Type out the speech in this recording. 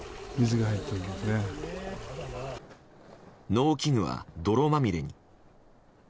農機具は泥まみれに。